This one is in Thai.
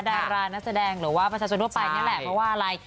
ดารานักแสดงหรือว่าประชาชนทั่วไปนี่แหละเพราะว่าอะไร